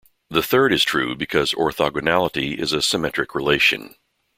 The third is true because orthogonality is a symmetric relation.